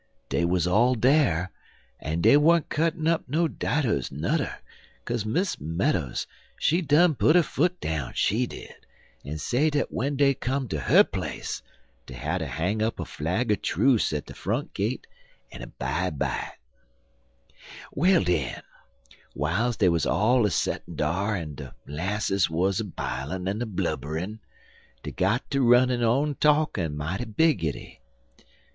Dey wuz all dere, en dey wern't cuttin' up no didos, nudder, kaze Miss Meadows, she done put her foot down, she did, en say dat w'en dey come ter her place dey hatter hang up a flag er truce at de front gate en 'bide by it. "Well, den, w'iles dey wuz all a settin' dar en de 'lasses wuz a bilin' en a blubberin', dey got ter runnin' on talkin' mighty biggity.